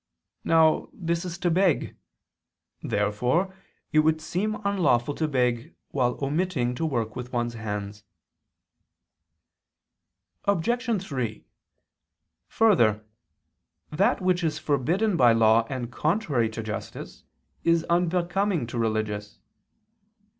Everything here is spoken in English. Now this is to beg. Therefore it would seem unlawful to beg while omitting to work with one's hands. Obj. 3: Further, that which is forbidden by law and contrary to justice, is unbecoming to religious.